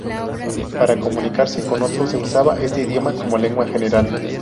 Para comunicarse con otro se usaba este idioma como lengua general.